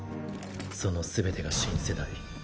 その全てが新世代。